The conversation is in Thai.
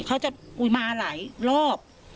เขาจะอุ๊ยมาหลายรอบ